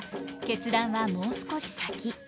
決断はもう少し先。